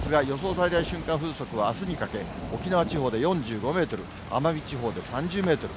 最大瞬間風速は、あすにかけ、沖縄地方で４５メートル、奄美地方で３０メートル。